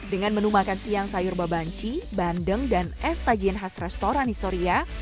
dengan menu makan siang sayur babanci bandeng dan es tajian khas restoran historia